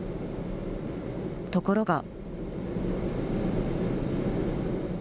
ところが。